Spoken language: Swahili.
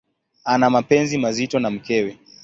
Ana mapenzi mazito na mkewe.